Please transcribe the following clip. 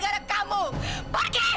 pergi kamu dari sini